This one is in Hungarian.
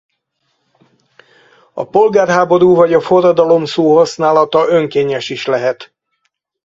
A polgárháború vagy a forradalom szóhasználata önkényes is lehet.